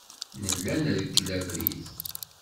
Nella nreggel abrid.